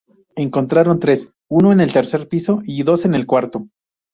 Encontraron tres, uno en el tercer piso y dos en el cuarto.